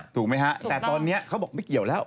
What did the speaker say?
ถูกไหมฮะแต่ตอนนี้เขาบอกไม่เกี่ยวแล้ว